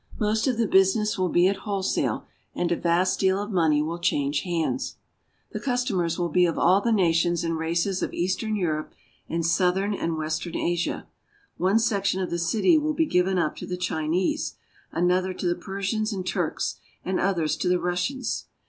Most of the business will be at wholesale, and a vast deal of money will change hands. The customers will be of all the nations and races of eastern Europe and southern and western Asia. One section of the city will be given up to the Chinese, another to the Persians and Turks, and others to the Russians.